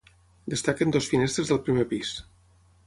Destaquen dues finestres del primer pis.